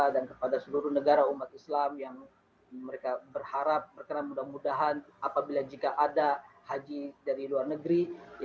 dan kepada seluruh negara umat islam yang mereka berharap berkenan mudah mudahan apabila jika ada haji dari luar negeri